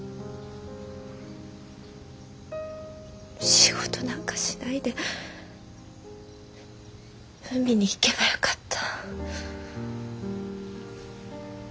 仕事なんかしないで海に行けばよかった。